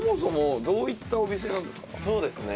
そうですね